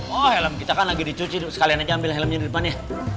oh helm kita kan lagi dicuci sekalian aja ambil helmnya di depannya